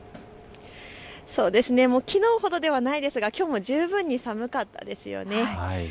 きのうほどではないですがきょうも十分に寒かったですよね。